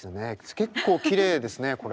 結構きれいですねこれ。